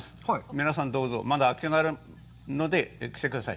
皆さんどうぞ、まだ空きがあるので来てください。